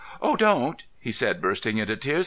"Oh, don't!" he said, bursting into tears.